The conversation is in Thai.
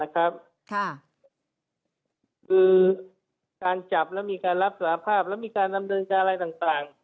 คือการจับแล้วมีการรับสารภาพแล้วมีการดำเนินการอะไรต่าง